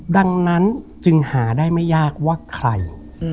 ดังนั้นจึงหาได้ไม่ยากว่าใคร